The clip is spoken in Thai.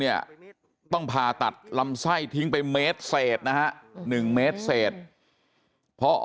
เนี่ยต้องผ่าตัดลำไส้ทิ้งไปเมตรเศษนะฮะ๑เมตรเศษพอ